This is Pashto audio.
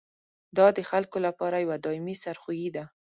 دا د خلکو لپاره یوه دایمي سرخوږي ده.